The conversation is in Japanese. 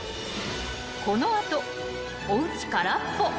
［この後おうち空っぽ］